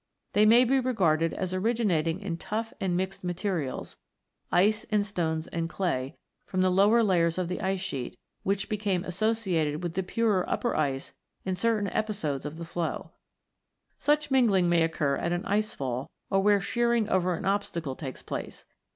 They may be regarded as originating in tough and mixed materials, ice and stones and clay, from the lower layers of the ice sheet, which became associated with the purer upper ice in certain episodes of the flow. Such mingling may occur at an ice fall, or where shearing over an obstacle takes place.